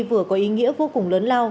vừa có ý nghĩa vô cùng lớn lao